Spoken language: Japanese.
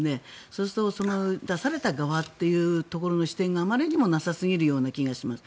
そうすると、出された側というところの視点があまりにもなさすぎる気がします。